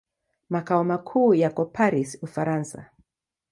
Makao makuu yako Paris, Ufaransa.